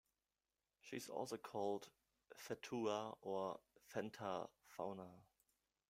She is also called Fatua or Fenta Fauna.